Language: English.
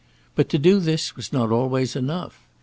But to do this was not always enough.